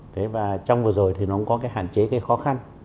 trong vừa rồi thì nó cũng có hạn chế khó khăn